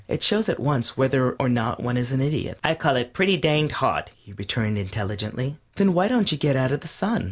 It shows at once whether or not one is an idiot. "I call it pretty danged hot," he returned, intelligently. "Then why don't you get out of the sun?"